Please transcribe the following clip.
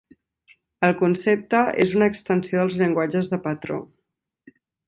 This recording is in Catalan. El concepte és una extensió dels llenguatges de patró.